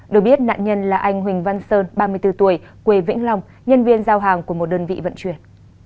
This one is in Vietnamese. được biết nạn nhân là anh huỳnh văn sơn ba mươi bốn tuổi quê vĩnh long nhân viên giao hàng của một đơn vị vận chuyển